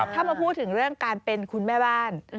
ถ้ามาพูดถึงเรื่องการเป็นคุณแม่บ้าน